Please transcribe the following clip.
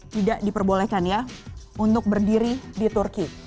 tidak diperbolehkan ya untuk berdiri di turki